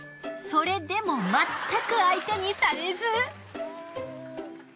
それでもまったく相手にされず。